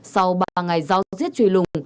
sau ba ngày giao giết trùy lùng